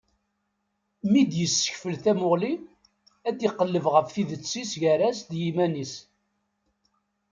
Mi d-yessekfel tamuɣli, ad iqelleb ɣef tidet-is gar-as d yiman-is.